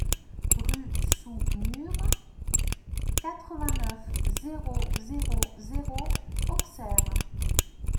Rue Sous Murs, quatre-vingt-neuf, zéro zéro zéro Auxerre